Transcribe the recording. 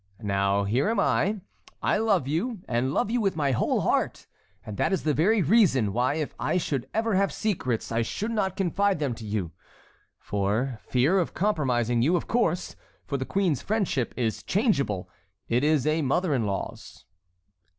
Now here I am. I love you and love you with my whole heart, and that is the very reason why if ever I should have secrets I should not confide them to you,—for fear of compromising you, of course,—for the queen's friendship is changeable, it is a mother in law's."